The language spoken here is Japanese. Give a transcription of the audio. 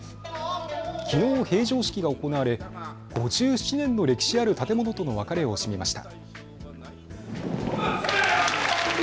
きのう閉場式が行われ５７年の歴史ある建物との別れを惜しみました。